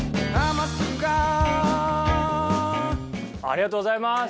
ありがとうございます。